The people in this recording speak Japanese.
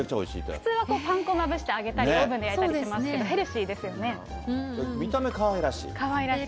普通はパン粉をまぶして揚げたり、オーブンで焼いたりします見た目、かわいらしい。